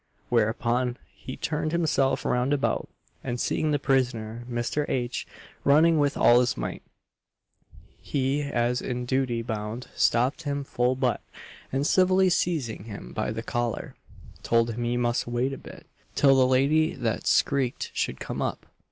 whereupon he turned himself round about, and seeing the prisoner, Mr. H., running with all his might, he as in duty bound, stopped him full butt, and "civilly seizing him by the collar," told him he must wait a bit, till "the lady what skreeked should come up."